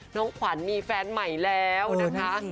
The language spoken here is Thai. น้องขวัญมีแฟนใหม่แล้วนะคะ